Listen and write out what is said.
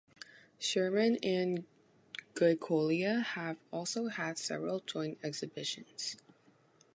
Sherman and Goicolea have also had several joint exhibitions.